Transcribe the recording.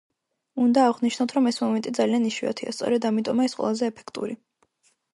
უნდა აღვნიშნოთ, რომ ეს მომენტი ძალიან იშვიათია, სწორედ ამიტომაა ის ყველაზე ეფექტური.